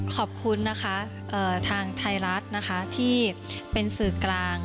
ขอบคุณนะคะทางไทยรัฐนะคะที่เป็นสื่อกลาง